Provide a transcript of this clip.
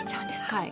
はい。